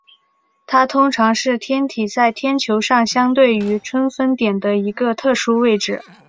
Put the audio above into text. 它通常是天体在天球上相对于春分点的一个特殊位置。